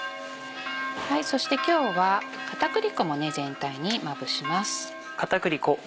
そして今日は片栗粉も全体にまぶします。